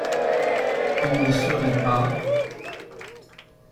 Il ne seraient pas.